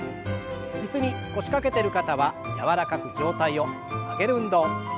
椅子に腰掛けてる方は柔らかく上体を曲げる運動。